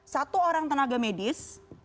satu orang tenaga medis